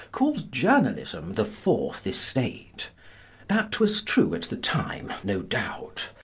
—called journalism the fourth estate. That was true at the time, no doubt.